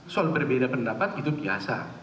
soal berbeda pendapat itu biasa